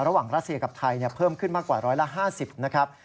รัสเซียกับไทยเพิ่มขึ้นมากกว่า๑๕๐นะครับ